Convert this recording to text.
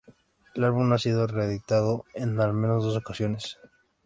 El álbum ha sido reeditado en al menos dos ocasiones.